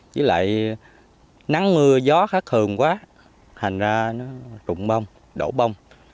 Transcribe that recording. chứ lại nắng mưa gió khát hường quá thành ra nó trụng bông đổ bông